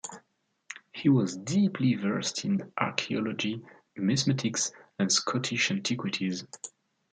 He was deeply versed in archeology, numismatics and Scottish antiquities.